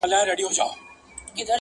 مور بې وسه ده او د حل لاره نه ويني